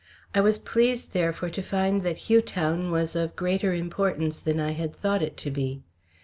I was pleased, therefore, to find that Hugh Town was of greater importance than I had thought it to be.